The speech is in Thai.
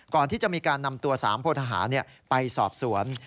ก่อนที่จะมีการนำตัวสามพลธาณฑ์ไปสอบสวน